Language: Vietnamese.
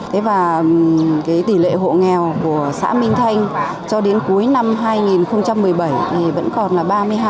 thế và tỷ lệ hộ nghèo của xã minh thanh cho đến cuối năm hai nghìn một mươi bảy vẫn còn là ba mươi hai chín